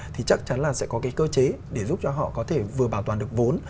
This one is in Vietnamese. thì chắc chắn là sẽ có cái cơ chế để giúp cho họ có thể vừa bảo toàn được vốn